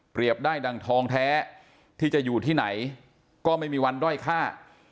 ได้ดังทองแท้ที่จะอยู่ที่ไหนก็ไม่มีวันด้อยค่า